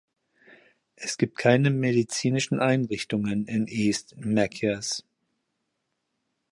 Es gibt keine medizinischen Einrichtungen in East Machias.